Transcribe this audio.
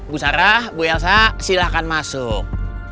bu sarah bu elsa silahkan masuk